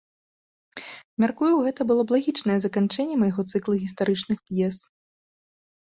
Мяркую, гэта было б лагічнае заканчэнне майго цыклу гістарычных п'ес.